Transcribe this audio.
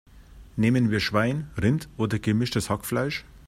Nehmen wir Schwein, Rind oder gemischtes Hackfleisch?